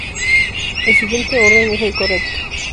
El siguiente orden es el correcto.